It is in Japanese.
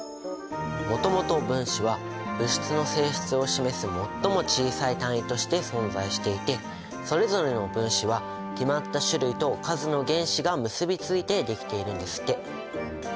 もともと分子は物質の性質を示す最も小さい単位として存在していてそれぞれの分子は決まった種類と数の原子が結びついてできているんですって。